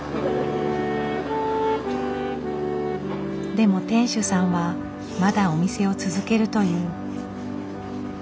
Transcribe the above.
でも店主さんはまだお店を続けるという。